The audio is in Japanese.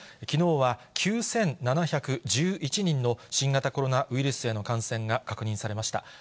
きのうは９７１１人の新型コロナウイルスへの感染が確認されました。